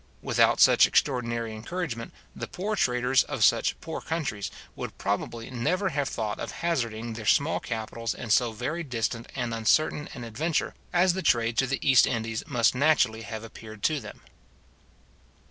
Without such extraordinary encouragement, the poor traders of such poor countries would probably never have thought of hazarding their small capitals in so very distant and uncertain an adventure as the trade to the East Indies must naturally have appeared to them.